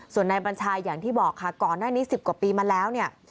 ส่วนนายบัญชาอย่างที่บอกค่ะก่อนหน้านี้๑๐กว่าปีมาแล้วเนี่ย